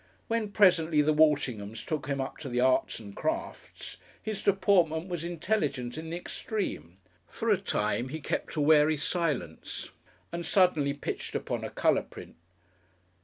When presently the Walshinghams took him up to the Arts and Crafts, his deportment was intelligent in the extreme. For a time he kept a wary silence and suddenly pitched upon a colour print.